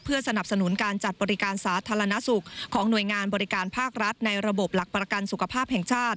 สนับสนุนการจัดบริการสาธารณสุขของหน่วยงานบริการภาครัฐในระบบหลักประกันสุขภาพแห่งชาติ